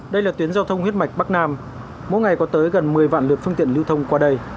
đây là tuyến giao thông huyết mạch bắc nam mỗi ngày có tới gần một mươi vạn lượt phương tiện lưu thông qua đây